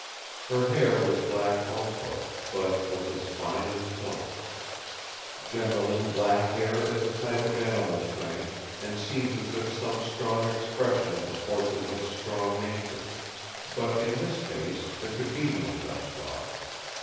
Her hair was black also, but was as fine as silk. Generally black hair is a type of animal strength and seems as if some strong expression of the forces of a strong nature; but in this case there could be no such thought.